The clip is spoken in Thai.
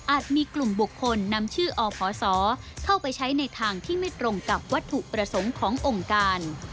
มีกลุ่มบุคคลนำชื่ออพศเข้าไปใช้ในทางที่ไม่ตรงกับวัตถุประสงค์ขององค์การ